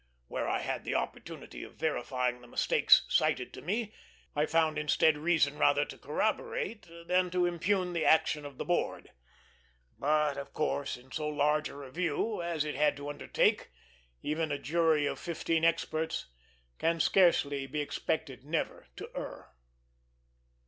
Where I had the opportunity of verifying the mistakes cited to me, I found instead reason rather to corroborate than to impugn the action of the board; but, of course, in so large a review as it had to undertake, even a jury of fifteen experts can scarcely be expected never to err.